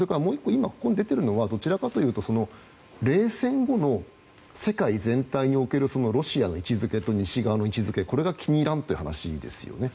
今ここに出ているのはどちらかというと冷戦後の世界全体におけるロシアの位置付けと西側の位置付け、これが気に入らんという話ですよね。